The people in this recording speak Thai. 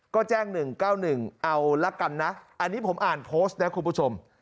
ก็แจ้ง๑๙๑เอาละกันนะอันนี้ผมอ่านโพสต์นะคุณผู้ชม